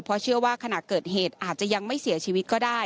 เพราะเชื่อว่าขณะเกิดเหตุอาจจะยังไม่เสียชีวิตก็ได้